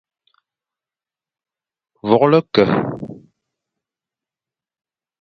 Vôlge ke, va vite.